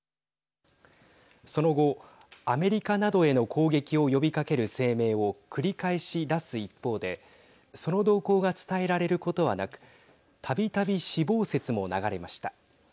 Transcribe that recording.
その後アメリカなどへの攻撃を呼びかける声明を繰り返し出す一方でその動向が伝えられることはなくたびたび死亡説も流れました。